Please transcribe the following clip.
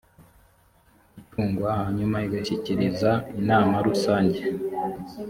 icungwa hanyuma igashyikiriza inama rusange